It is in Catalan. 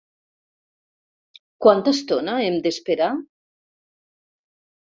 Quanta estona hem d'esperar?